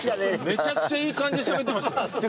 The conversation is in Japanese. めちゃくちゃいい感じでしゃべってましたよ。